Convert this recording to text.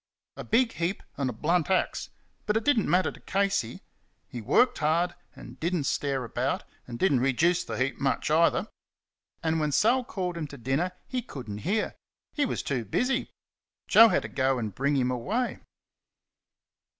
A big heap and a blunt axe; but it did n't matter to Casey. He worked hard, and did n't stare about, and did n't reduce the heap much, either; and when Sal called him to dinner he could n't hear he was too busy. Joe had to go and bring him away.